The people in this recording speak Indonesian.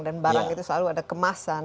dan barang itu selalu ada kemasan